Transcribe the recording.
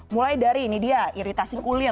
mulai dari ini dia iritasi kuliah